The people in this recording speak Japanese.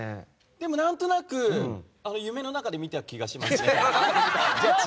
でも、何となく夢の中で見た気がしますね。